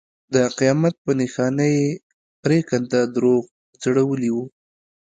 د قیامت په نښانه یې پرېکنده دروغ ځړولي وو.